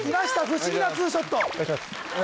不思議なツーショット